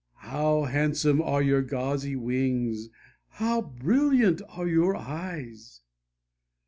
How handsome are your gauzy wings, how brilliant are your eyes